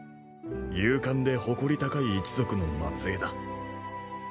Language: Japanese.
勇敢で誇り高い一族の末えいだ。